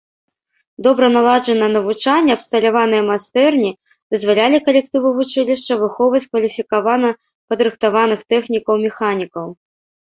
Добра наладжанае навучанне, абсталяваныя майстэрні дазвалялі калектыву вучылішча выхоўваць кваліфікавана падрыхтаваных тэхнікаў-механікаў.